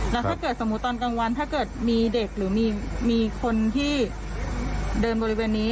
แล้วถ้าเกิดสมมุติตอนกลางวันถ้าเกิดมีเด็กหรือมีคนที่เดินบริเวณนี้